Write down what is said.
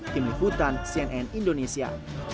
tim liputan cnn indonesia